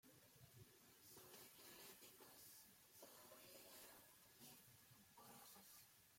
Sus esqueletos son muy ligeros y porosos.